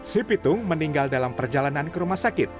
si pitung meninggal dalam perjalanan ke rumah sakit